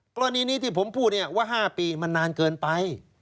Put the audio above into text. กรณีนี้ที่ผมพูดเนี่ยว่า๕ปีมันนานเกินไป